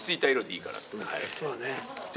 そうね。